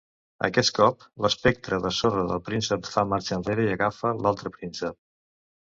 Aquest cop, l'espectre de sorra del Príncep fa marxa enrere i agafa l'altre Príncep.